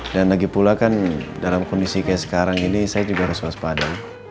dan lagi pula kan dalam kondisi kayak sekarang ini saya juga harus waspada